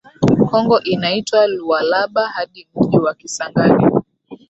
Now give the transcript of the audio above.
Kongo inaitwa Lualaba hadi mji wa Kisangani